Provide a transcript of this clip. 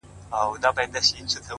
هر انسان د اغېز ځواک لري.!